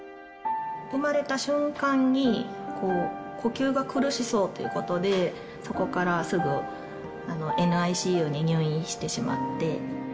生まれた瞬間に、呼吸が苦しそうということで、そこからすぐＮＩＣＵに入院してしまって。